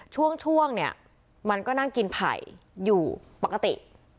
ช่วงเนี่ยมันก็นั่งกินไผ่อยู่ปกติ